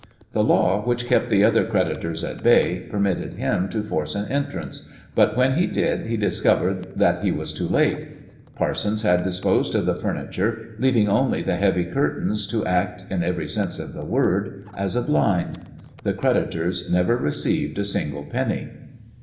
The law, which kept the other creditors at bay, permitted him to force an entrance, but when he did he discovered that he was too late. Parsons had disposed of the furniture, leaving only the heavy curtains to act in every sense of the word as a blind. The creditors never received a single penny.